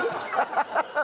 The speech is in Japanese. ハハハハッ！